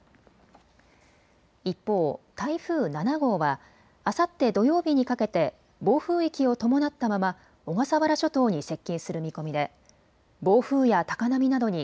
一方、台風７号はあさって土曜日にかけて暴風域を伴ったまま小笠原諸島に接近する見込みで暴風や高波などに